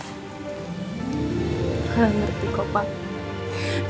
aku ngeri kok pak